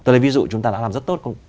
từ đây ví dụ chúng ta đã làm rất tốt